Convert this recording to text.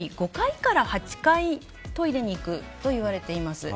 大体、１日当たり１人５回から８回トイレに行くといわれています。